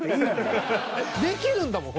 できるんだもん